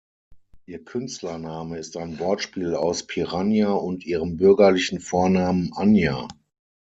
Ihr Künstlername ist ein Wortspiel aus Piranha und ihrem bürgerlichen Vornamen Anja.